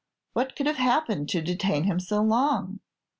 What could have happened to detain him so long?